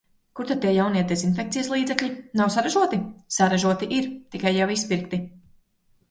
Kur tad tie jaunie dezinfekcijas līdzekļi? Nav saražoti?- Saražoti ir! Tikai jau izpirkti.-...